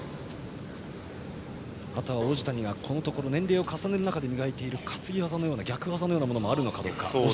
あとは王子谷がこのところ年齢を重ねながら磨いている担ぎ技逆技のようなものもあるのか。